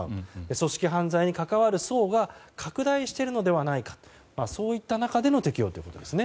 組織犯罪に関わる層が拡大しているのではないかといった中での適用ということですね。